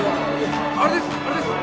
あれです。